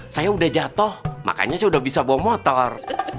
saya udah jatuh makanya saya udah bisa bawa motor